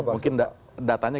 mungkin datanya kayak gini